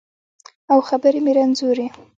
او خبرې مې رنځورې